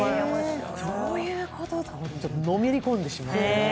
どういうこと？ってのめり込んでしまうのね。